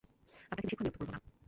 আপনাকে বেশিক্ষণ বিরক্ত করব না।